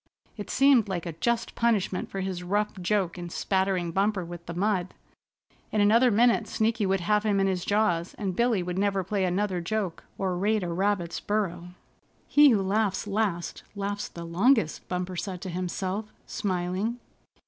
It seemed like a just punishment for his rough joke in spattering Bumper with the mud. In another minute Sneaky would have him in his jaws, and Billy would never play another joke or raid a rabbit's burrow. "He who laughs last laughs the longest," Bumper said to himself, smiling.